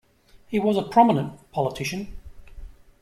He was a prominent politician.